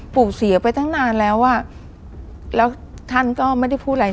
ปู่เสียไปตั้งนานแล้วอ่ะแล้วท่านก็ไม่ได้พูดอะไร